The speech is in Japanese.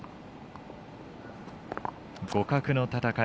互角の戦い